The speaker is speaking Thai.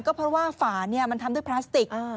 ก็เพราะว่าฝามันทำด้วยพลาสติก